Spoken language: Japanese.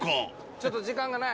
ちょっと時間がない。